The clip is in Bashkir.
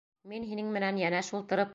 Мин һинең менән йәнәш ултырып...